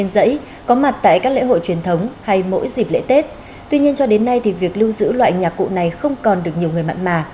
giúp đỡ nhân dân